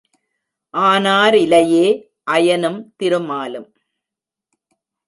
ஆனார் இலையே அயனும் திருமாலும்?